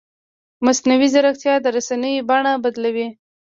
مصنوعي ځیرکتیا د رسنیو بڼه بدلوي.